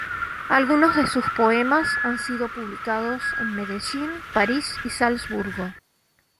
Algunos de sus poemas han sido publicados en Medellín, París y Salzburgo.